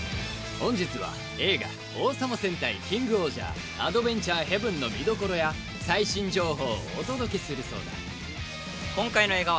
本日は映画『王様戦隊キングオージャーアドベンチャー・ヘブン』の見どころや最新情報をお届けするそうだ